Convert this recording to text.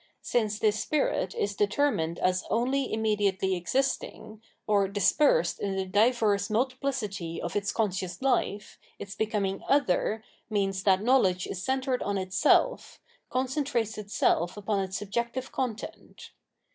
Since this spirit is determined as only immediately existing, or dispersed in the diverse multiphcity of its conscious life, its becoming "other" means that knowledge is centred on itself, concentrates itself upon its subjective content.